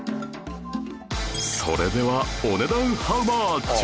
それではお値段ハウマッチ？